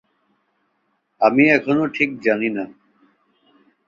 আমি এখনো ঠিক জানি না।